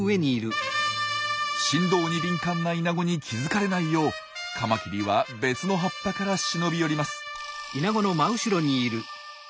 振動に敏感なイナゴに気付かれないようカマキリは別の葉っぱから忍び寄ります。